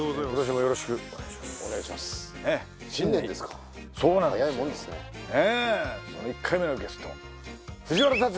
よろしくお願いしますねえ